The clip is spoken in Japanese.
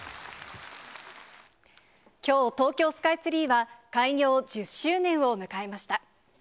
きょう、東京スカイツリーは、開業１０周年を迎えました。